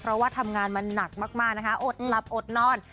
เพราะว่าทำงานมาหนักมากนะคะอดหลับอดนอน